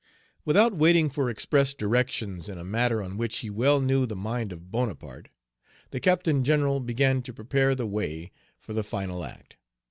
Without waiting for express directions in a matter on which he well knew the mind of Bonaparte, the Captain General began to prepare the way for the final act.